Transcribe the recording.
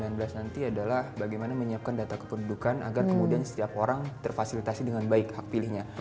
nanti adalah bagaimana menyiapkan data kependudukan agar kemudian setiap orang terfasilitasi dengan baik hak pilihnya